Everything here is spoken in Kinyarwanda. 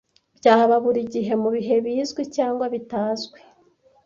byaba buri gihe mu bihe bizwi cg bitazwi